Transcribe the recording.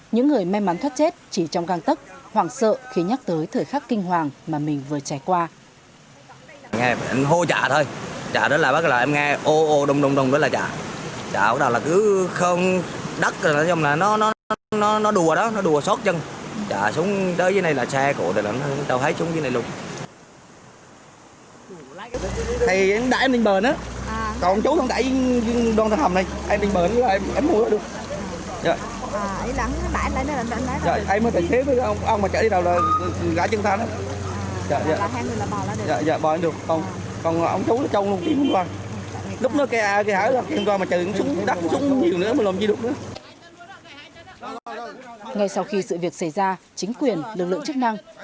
những người may mắn thất chết chỉ trong căng tấc hoảng sợ khi nhắc tới thời khắc kinh hoàng mà mình vừa trải qua